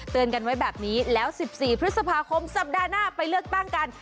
กันไว้แบบนี้แล้ว๑๔พฤษภาคมสัปดาห์หน้าไปเลือกตั้งกัน